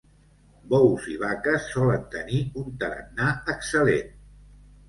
Bous i vaques solen tenir un tarannà excel·lent.